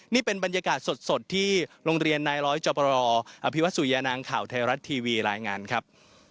นี่เป็นบรรยากาศสดที่โรงเรียนนายร้อยจบรอภิวัตสุยานางข่าวไทยรัฐทีวีรายงานครับ